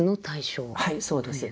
はいそうです。